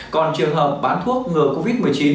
còn trường hợp bán thuốc ngừa covid một mươi chín